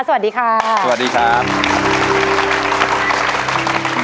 สวัสดีครับสวัสดีครับสวัสดีครับสวัสดีครับ